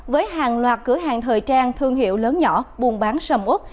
với hàng loạt cửa hàng thời trang thương hiệu lớn nhỏ buôn bán sầm út